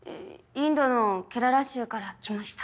インドのケララ州から来ました